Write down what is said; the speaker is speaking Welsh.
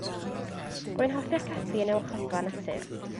Rwy'n hoffi'r caffi yn y Warchodfa Natur.